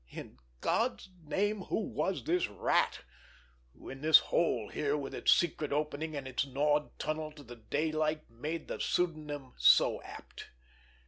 In God's name, who was this Rat, who in this hole here with its secret opening and its gnawed tunnel to the daylight made the pseudonym so apt!